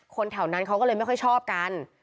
แถวนั้นเขาก็เลยไม่ค่อยชอบกัน